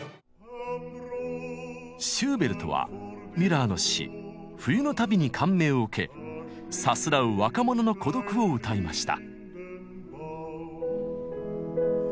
シューベルトはミュラーの詩「冬の旅」に感銘を受けさすらう若者の孤独を歌いました。